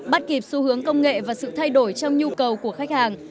bắt kịp xu hướng công nghệ và sự thay đổi trong nhu cầu của khách hàng